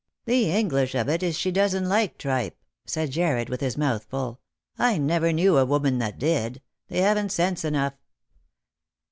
" The English of it is she doesn't like tripe," said Jarred, with his mouth full ;" I never knew a woman that did. They haven't sense enough."